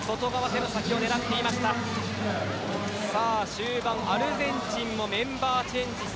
終盤、アルゼンチンもメンバーチェンジです。